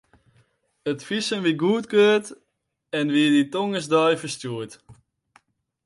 It fisum wie goedkard en wie dy tongersdeis ferstjoerd.